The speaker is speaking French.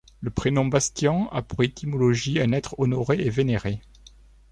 Le prénom Bastian a pour étymologie un être honoré et vénéré.